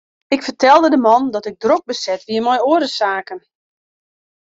Ik fertelde de man dat ik drok beset wie mei oare saken.